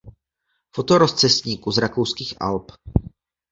Foto rozcestníku z rakouských Alp.